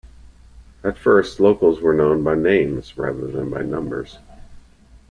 At first, local councils were known by names rather than by numbers.